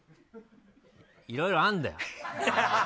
いろいろあんだよ。